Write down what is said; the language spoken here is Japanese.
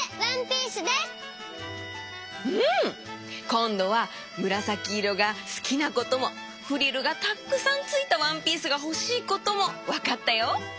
こんどはむらさきいろがすきなこともフリルがたっくさんついたワンピースがほしいこともわかったよ。